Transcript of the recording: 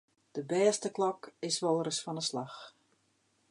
De bêste klok is wolris fan 'e slach.